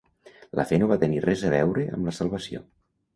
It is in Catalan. La fe no va tenir res a veure amb la salvació.